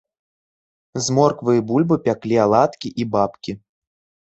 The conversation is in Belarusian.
З морквы і бульбы пяклі аладкі і бабкі.